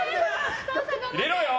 入れろよ！